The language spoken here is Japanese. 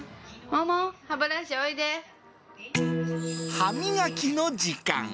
もも、歯磨きの時間。